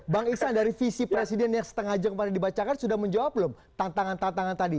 bang iksan dari visi presiden yang setengah jam kemarin dibacakan sudah menjawab belum tantangan tantangan tadi